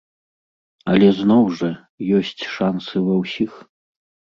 Але зноў жа, ёсць шанцы ва ўсіх.